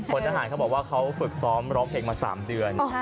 ทหารเขาบอกว่าเขาฝึกซ้อมร้องเพลงมา๓เดือน